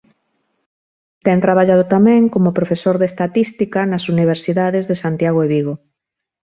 Ten traballado tamén como profesor de Estatística nas Universidades de Santiago e Vigo.